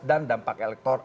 dan dampak elektor